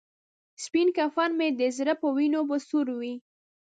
سپین کفن مې د زړه په وینو به سور وي.